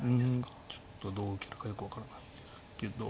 うんちょっとどう受けるかよく分からないですけど。